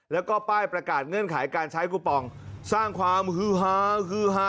แล้วก็ป้ายประกาศเงื่อนไขการใช้กูปองสร้างความฮือฮาฮือฮา